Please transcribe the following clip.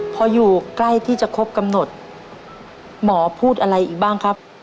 พออยู่ใกล้ที่จะครบกำหนดหมอพูดอะไรอีกบ้างครับ